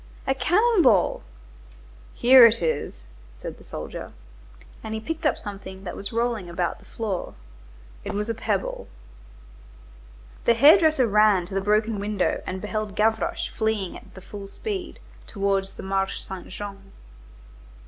"A cannon ball." "Here it is," said the soldier. And he picked up something that was rolling about the floor. It was a pebble. The hair dresser ran to the broken window and beheld Gavroche fleeing at the full speed, towards the Marché Saint Jean.